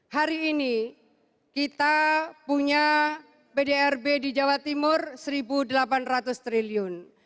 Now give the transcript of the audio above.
hari ini kita punya pdrb di jawa timur rp satu delapan ratus triliun